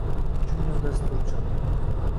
Junior dasturchi